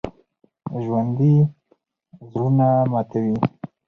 ژوندي زړونه ماتوي